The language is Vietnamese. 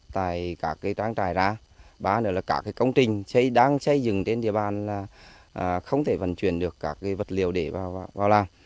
tại cả cái trang trại ra ba nữa là cả cái công trình đang xây dựng trên địa bàn là không thể vận chuyển được các cái vật liệu để vào làng